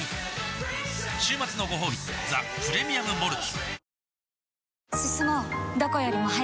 週末のごほうび「ザ・プレミアム・モルツ」